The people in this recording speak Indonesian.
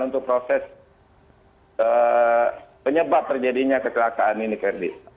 untuk proses penyebab terjadinya kecelakaan ini kendi